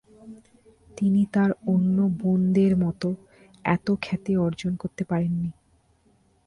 তিনি তার অন্য বোনদের মত এত খ্যাতি অর্জন করতে পারেননি।